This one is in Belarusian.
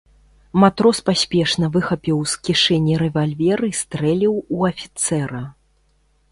Матрос паспешна выхапіў з кішэні рэвальвер і стрэліў у афіцэра.